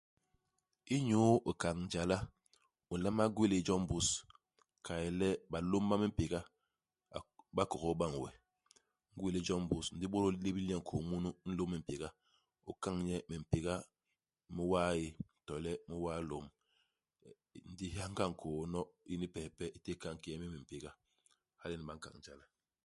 Inyu ikañ jala, u nlama gwélél jo i mbus. Ka i yé le balôm ba mimpéga ba ba kogol bañ we. U ngwélél jo i mbus. Ndi u bôdôl libil jo nkôô munu i nlôm mpéga. U kañ nye mimpéga mi waaé to le mi waalôm. Ndi u hyañgha nkôô nyono ini pes ipe. U témb u kañ ki nye mini mimpéga. Hala nyen ba nkañ jala.